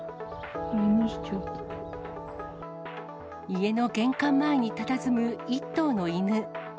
家の玄関前にたたずむ１頭の犬。